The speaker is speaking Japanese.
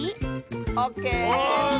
オッケー！